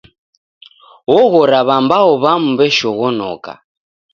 Oghora w'ambao w'amu w'eshoghonoka.